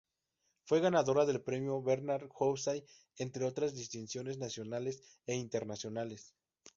Fue ganadora del premio Bernardo Houssay, entre otras distinciones nacionales e internacionales.